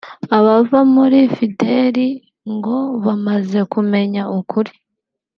Abava muri fdlr ngo bamaze kumenya ukuri